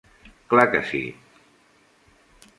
Clar que sí!